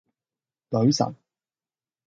女神